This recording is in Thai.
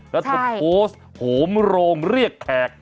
แล้วเธอโพสต์โหมโรงเรียกแขก